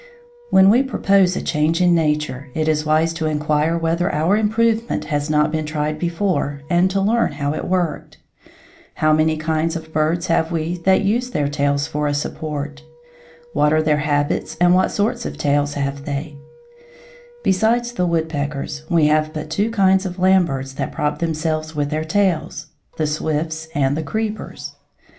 When we propose a change in nature it is wise to inquire whether our improvement has not been tried before and to learn how it worked. How many kinds of birds have we that use their tails for a support? What are their habits and what sort of tails have they? [Illustration: Tails of Brown Creeper (under surface) and Chimney Swift (upper surface.)] Besides the woodpeckers we have but two kinds of land birds that prop themselves with their tails, the swifts and the creepers.